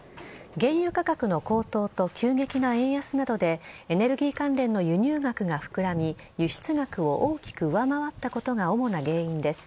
原油価格の高騰と急激な円安などでエネルギー関連の輸入額が膨らみ輸出額を大きく上回ったことが主な原因です。